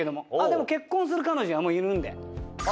でも結婚する彼女はもういるんで。